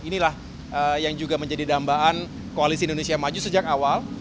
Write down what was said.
inilah yang juga menjadi dambaan koalisi indonesia maju sejak awal